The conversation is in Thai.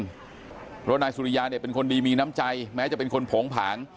เพราะว่านายสุริยาเนี่ยเป็นคนดีมีน้ำใจแม้จะเป็นคนโผงผาง